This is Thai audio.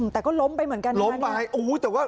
แต่ก็ล้มไปเหมือนกันนะล้มไปแต่ว่า